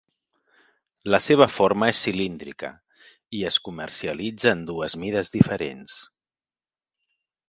La seva forma és cilíndrica, i es comercialitza en dues mides diferents.